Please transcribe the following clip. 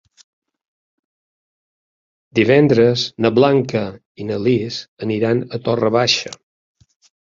Divendres na Blanca i na Lis aniran a Torre Baixa.